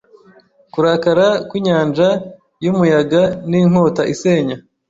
kurakara kwinyanja yumuyaga ninkota isenya